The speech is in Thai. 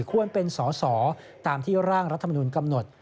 ควรเป็นสอสอตามที่ร่างรัฐมนุนกำหนด